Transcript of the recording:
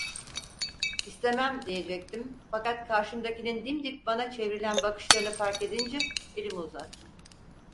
"İstemem!" diyecektim, fakat karşımdakinin dimdik bana çevrilen bakışlarını fark edince elimi uzattım.